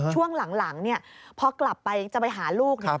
ช่วงหลังพอกลับไปจะไปหาลูก